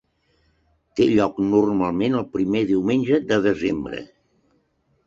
Té lloc normalment el primer diumenge de desembre.